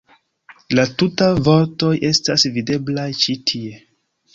La tutaj vortoj estas videblaj ĉi tie.